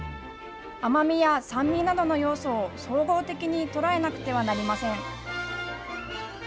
甘みや酸味などの要素を、総合的に捉えなくてはなりません。